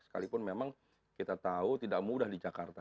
sekalipun memang kita tahu tidak mudah di jakarta